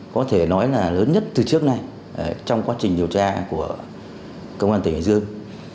có thể nói là lớn nhất từ trước nay trong quá trình điều tra của công an tỉnh hải dương